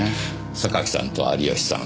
榊さんと有吉さん。